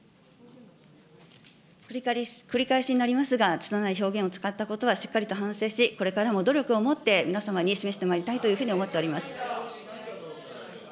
繰り返しになりますが、つたない表現を使ったことはしっかりと反省し、これからも努力を持って、皆様に示してまいりたいというふうに思っております。